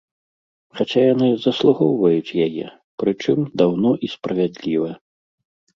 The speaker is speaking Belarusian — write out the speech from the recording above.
Хаця яны заслугоўваюць яе, прычым, даўно і справядліва.